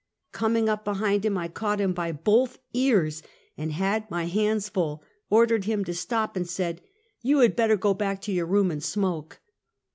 Coming up behind him, I caught him by both ears, and had my hands full, or dered him to stop, and said: " Tou had better go back to your room and smoke."